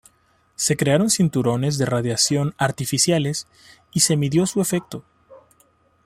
Se crearon cinturones de radiación artificiales y se midió su efecto.